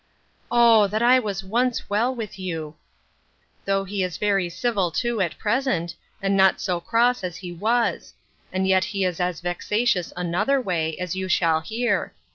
Oh! that I was once well with you!—Though he is very civil too at present, and not so cross as he was: and yet he is as vexatious another way, as you shall hear.